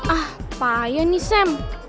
ah apaan nih sam